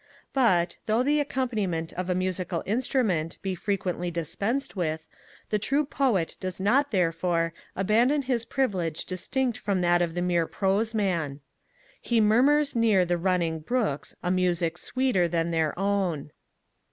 But, though the accompaniment of a musical instrument be frequently dispensed with, the true Poet does not therefore abandon his privilege distinct from that of the mere Proseman; He murmurs near the running brooks A music sweeter than their own.